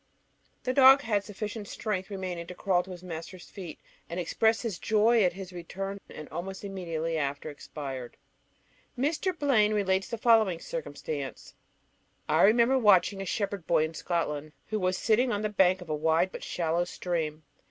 The dog had sufficient strength remaining to crawl to his master's feet, and express his joy at his return, and almost immediately after expired. Mr. Blaine relates the following circumstance: I remember watching a shepherd boy in Scotland, who was sitting on the bank of a wide but shallow stream.